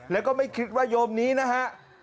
แล้วก็ไม่คิดว่าโยมนี้นะฮะ